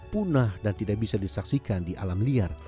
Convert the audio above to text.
punah dan tidak bisa disaksikan di alam liar